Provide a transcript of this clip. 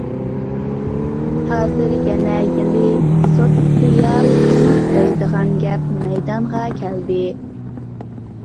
ھازىر، يەنە يېڭى «سوتسىيالىزم» دەيدىغان گەپ مەيدانغا كەلدى.